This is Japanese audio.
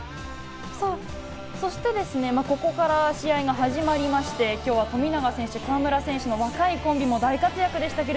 そして、ここから試合が始まりまして、今日は富永選手、河村選手の若いコンビも大活躍でした。